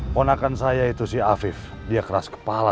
ponakan saya itu si afif dia keras kepala